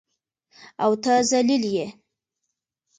او ته ذلیل یې.